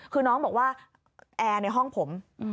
คือน้องบอกว่าแอร์ในห้องผม